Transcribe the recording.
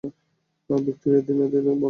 Victoria, Trinidad বলছি।